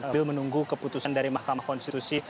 bil menunggu keputusan dari mahkamah konstitusi